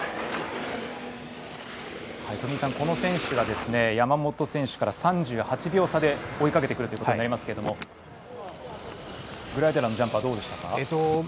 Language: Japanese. この選手は、山本選手から３８秒差で追いかけてくるということになりますがグライデラーのジャンプはどうでしたか？